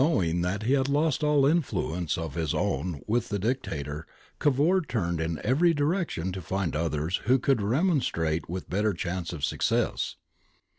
190 GARIBALDI AND THE MAKING OF ITALY ing that he had lost all influence of his own with the Dictator, Cavour turned in every direction to find others who could remonstrate with better chance of success.